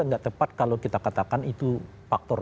tidak tepat kalau kita katakan itu faktor